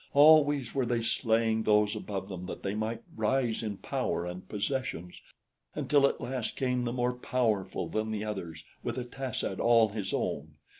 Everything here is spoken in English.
"Always were they slaying those above them that they might rise in power and possessions, until at last came the more powerful than the others with a tas ad all his own.